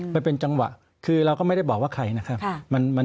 มันเป็นจังหวะคือเราก็ไม่ได้บอกว่าใครนะครับ